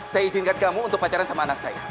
saya izinkan kamu untuk pacaran sama anak saya